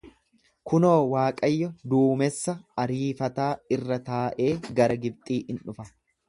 Kunoo, Waaqayyo duumessa ariifataa irra taa'ee gara Gibxii ni dhufa.